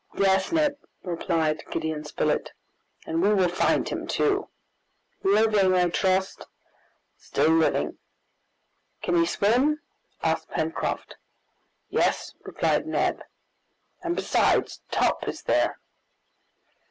"Yes, Neb," replied Gideon Spilett, "and we will find him too!" "Living, I trust!" "Still living!" "Can he swim?" asked Pencroft. "Yes," replied Neb, "and besides, Top is there."